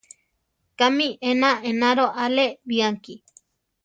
¿Kámi ena enaro alé bianki?